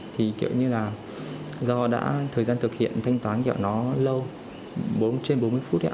thì kiểu như là do đã thời gian thực hiện thanh toán kiểu nó lâu bốn trên bốn mươi phút